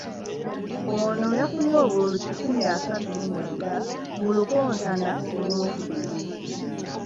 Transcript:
Ono yafunye obululu kikumi asatu mu mwenda mu lukontana olwokubiri.